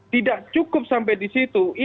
tidak cukup sampai di situ